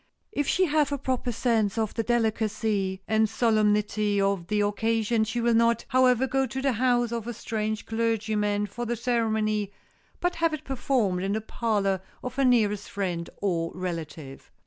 If she have a proper sense of the delicacy and solemnity of the occasion she will not, however, go to the house of a strange clergyman for the ceremony but have it performed in the parlor of her nearest friend or relative.